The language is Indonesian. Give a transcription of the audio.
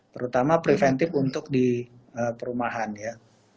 terutama preventif untuk di perumahan ya